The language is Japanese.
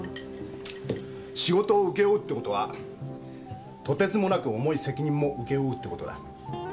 仕事を請け負うってことはとてつもなく重い責任も請け負うってことだ。